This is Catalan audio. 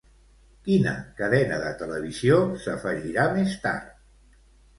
Quina cadena de televisió s'afegirà més tard?